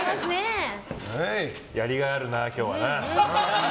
やりがいあるな、今日はな。